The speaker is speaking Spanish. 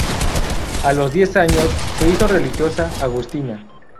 A los diez años, se hizo religiosa agustina.